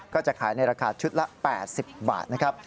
ก็จะขายในราคาชุดละ๘๐บาทนะครับ